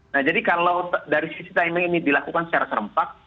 nah jadi kalau dari sisi timing ini dilakukan secara serempak